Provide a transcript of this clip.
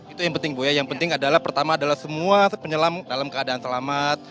itu yang penting bu ya yang penting adalah pertama adalah semua penyelam dalam keadaan selamat